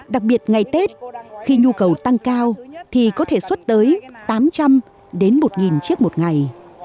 đặc biệt ngày tết khi nhu cầu tăng cao thì có thể xuất tới tám trăm linh đến một chiếc một ngày